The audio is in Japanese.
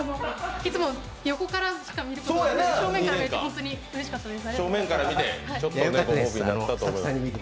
いつも横からしか見ることがなくて正面から見れてうれしかったです。